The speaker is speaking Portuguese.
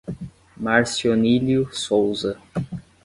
Marcionílio Souza